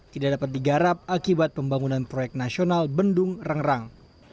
tidak dapat digarap akibat pembangunan proyek nasional bendung rengrang